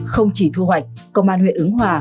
không chỉ thu hoạch công an huyện ứng hòa